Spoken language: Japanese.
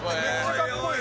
かっこいい！